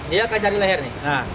dia akan cari leher nih